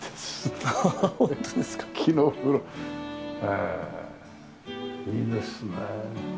へえいいですね。